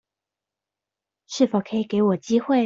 是否可以給我機會